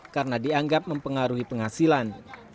karena dianggap mempengaruhi penghasilan